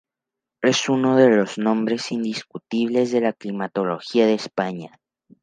Es uno de los nombres indiscutibles de la Climatología de España.